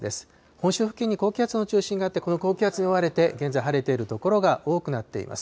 本州付近に高気圧の中心があって、この高気圧に覆われて現在、晴れている所が多くなっています。